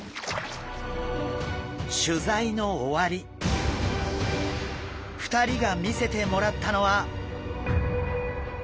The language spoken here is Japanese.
取材の終わり２人が見せてもらったのは。